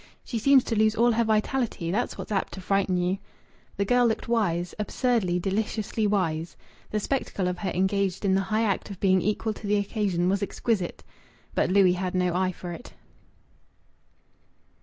She seems to lose all her vitality that's what's apt to frighten you." The girl looked wise absurdly, deliciously wise. The spectacle of her engaged in the high act of being equal to the occasion was exquisite. But Louis had no eye for it.